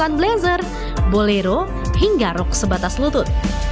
dengan tampilan blazer bolero hingga rock sebatas lutut